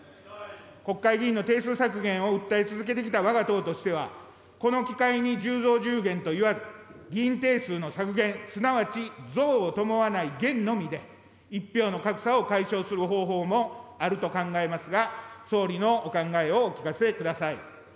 国会議員の定数削減を訴え続けてきたわが党としては、この機会に１０増１０減と言わず、議員定数の削減、すなわち増を伴わない減のみで、１票の格差を解消する方法もあると考えますが、総理のお考えをお聞かせください。